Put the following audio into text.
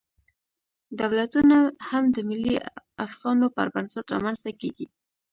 دولتونه هم د ملي افسانو پر بنسټ رامنځ ته کېږي.